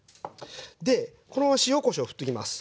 でこのまま塩・こしょうふっときます。